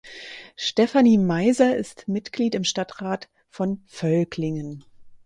Stephanie Meiser ist Mitglied im Stadtrat von Völklingen.